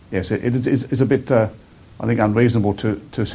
jadi ya itu agak saya pikir tidak berbaloi